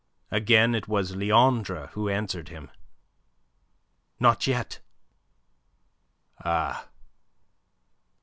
Again it was Leandre who answered him. "Not yet." "Ah!"